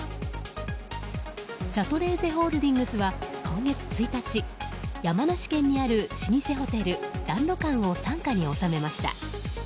シャトレーゼホールディングスは今月１日山梨県にある老舗ホテル談露館を傘下に収めました。